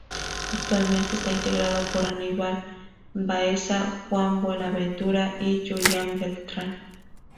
Actualmente está integrado por Aníbal Baeza, Juan Buenaventura y Julián Beltrán.